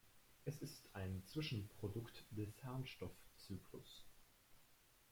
Es ist ein Zwischenprodukt des Harnstoffzyklus.